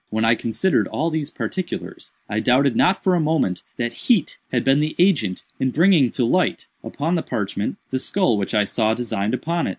When I considered all these particulars, I doubted not for a moment that heat had been the agent in bringing to light, upon the parchment, the skull which I saw designed upon it.